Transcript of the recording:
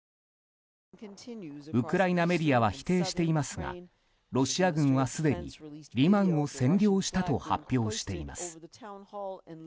ウクライナメディアは否定していますがロシア軍はすでにリマンを占領したと発表しています。